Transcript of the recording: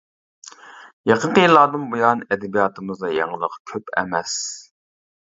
يېقىنقى يىللاردىن بۇيان ئەدەبىياتىمىزدا يېڭىلىق كۆپ ئەمەس.